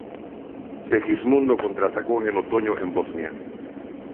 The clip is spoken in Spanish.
Segismundo contraatacó en el otoño en Bosnia.